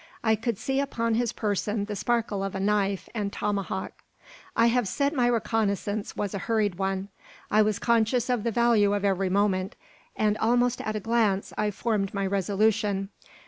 I could see upon his person the sparkle of a knife and tomahawk. I have said my reconnaissance was a hurried one. I was conscious of the value of every moment, and almost at a glance I formed my resolution.